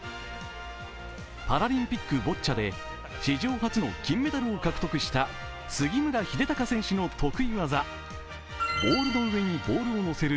パラリンピック、ボッチャで史上初の金メダルを獲得した杉村英孝選手の得意技、ボールの上にボールをのせる